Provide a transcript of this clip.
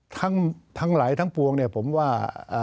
ทั้งหลายทั้งปวงเนี่ยผมว่า